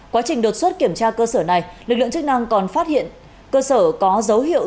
quá trình đột xuất kiểm tra cơ sở này lực lượng chức năng còn phát hiện cơ sở có dấu hiệu